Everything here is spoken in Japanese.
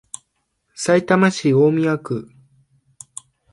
さいたま市大宮区